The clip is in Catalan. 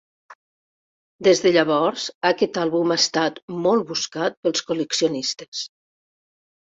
Des de llavors, aquest àlbum ha estat molt buscat pels col·leccionistes.